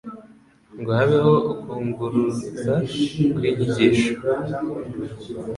ngo habeho ukunguruza kw'inyigisho.